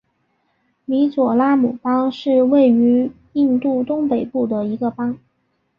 米佐拉姆邦是位于印度东北部的一个邦。